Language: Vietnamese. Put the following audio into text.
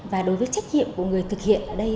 và đối với trách nhiệm của người thực hiện ở đây